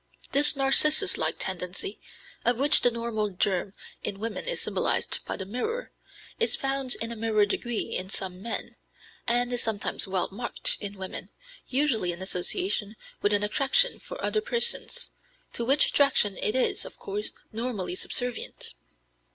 This Narcissus like tendency, of which the normal germ in women is symbolized by the mirror, is found in a minor degree in some men, and is sometimes well marked in women, usually in association with an attraction for other persons, to which attraction it is, of course, normally subservient.